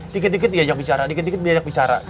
dikit dikit diajak bicara dikit dikit diajak bicara